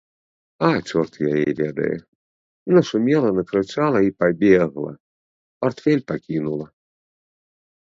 А чорт яе ведае, нашумела, накрычала і пабегла, партфель пакінула.